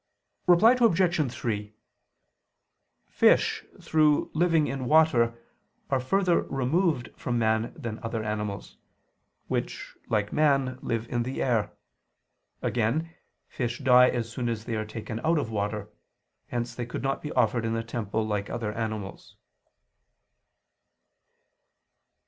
Reply Obj. 3: Fish through living in water are further removed from man than other animals, which, like man, live in the air. Again, fish die as soon as they are taken out of water; hence they could not be offered in the temple like other animals.